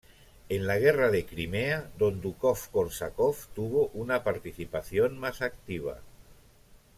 En la Guerra de Crimea Dondukov-Korsákov tuvo una participación más activa.